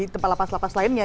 tempat lapas lapas lainnya